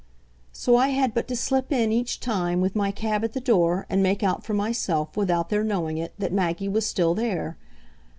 "So I had but to slip in, each time, with my cab at the door, and make out for myself, without their knowing it, that Maggie was still there.